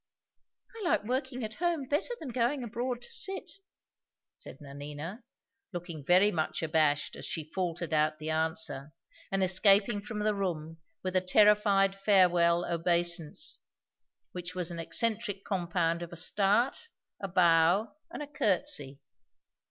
"I like working at home better than going abroad to sit," said Nanina, looking very much abashed as she faltered out the answer, and escaping from the room with a terrified farewell obeisance, which was an eccentric compound of a start, a bow, and a courtesy.